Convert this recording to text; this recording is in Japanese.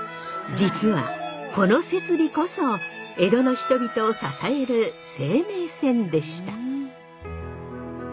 実はこの設備こそ江戸の人々を支える生命線でした。